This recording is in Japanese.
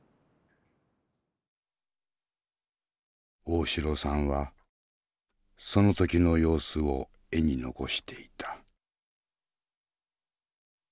大城さんはその時の様子を絵に残していた。